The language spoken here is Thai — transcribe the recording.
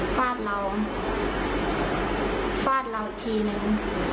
ฟาดร้าวอีกทีนึง